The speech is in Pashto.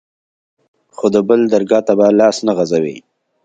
خو د بل درګا ته به لاس نه غځوې.